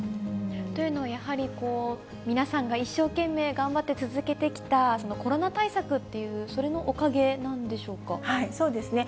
というのはやはり、皆さんが一生懸命頑張って続けてきたコロナ対策っていう、それのそうですね。